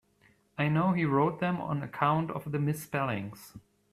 I know he wrote them on account of the misspellings.